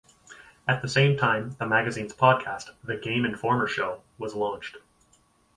At the same time, the magazine's podcast, "The Game Informer Show", was launched.